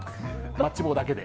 マッチ棒だけで。